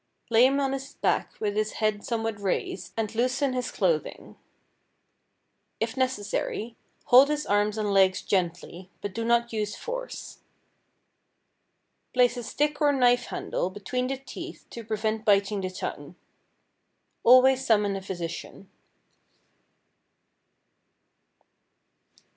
Lay him on his back with his head somewhat raised, and loosen his clothing. If necessary, hold his arms and legs gently, but do not use force. Place a stick or knife handle between the teeth to prevent biting the tongue. Always summon a physician.